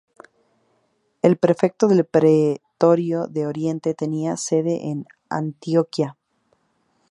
El prefecto del pretorio de Oriente tenía su sede en Antioquía.